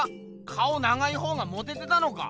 顔長いほうがモテてたのか？